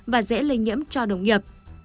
và dễ lây nhiễm cho đồng nghiệp